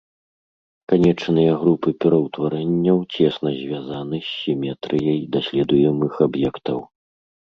Канечныя групы пераўтварэнняў цесна звязаны з сіметрыяй даследуемых аб'ектаў.